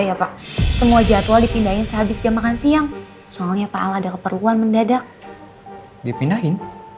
ya pak semua jadwal dipindahin sehabis jam makan siang soalnya pak al ada keperluan mendadak dipindahin